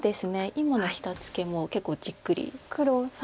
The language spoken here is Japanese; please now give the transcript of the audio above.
今の下ツケも結構じっくり。